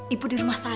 ibu di rumah saya